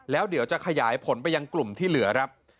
แล้วเดี๋ยวจะขยายผลไปยังกลุ่มที่เหลือครับ